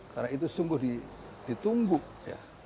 karena itu sungguh ditunggu ya